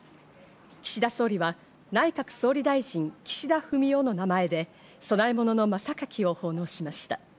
岸田総理は内閣総理大臣・岸田文雄の名前で供え物の真榊を奉納しました。